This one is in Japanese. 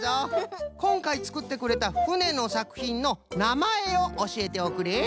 こんかいつくってくれたふねのさくひんのなまえをおしえておくれ。